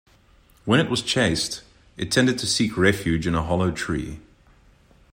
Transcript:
When it was chased, it tended to seek refuge in a hollow tree.